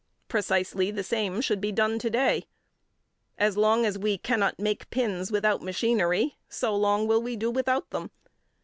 Precisely the same should be done to day. As long as we cannot make pins without machinery, so long will we do without them.